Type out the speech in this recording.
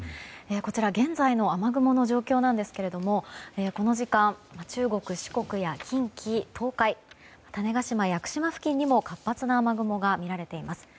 こちら、現在の雨雲の状況なんですけれどもこの時間中国・四国や近畿・東海種子島・屋久島付近にも活発な雨雲が見られています。